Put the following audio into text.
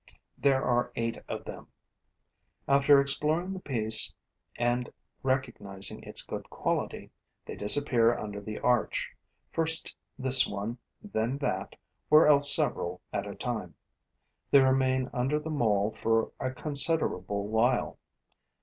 There are eight of them. After exploring the piece and recognizing its good quality, they disappear under the arch, first this one, then that, or else several at a time. They remain under the Mole for a considerable while.